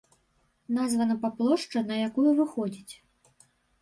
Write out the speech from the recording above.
Названа па плошчы, на якую выходзіць.